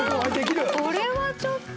これはちょっと。